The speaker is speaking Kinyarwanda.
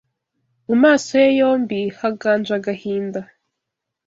Mu maso ye yombi Haganje agahinda